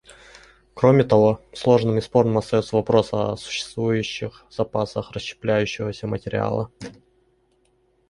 Кроме того, сложным и спорным остается вопрос о существующих запасах расщепляющегося материала.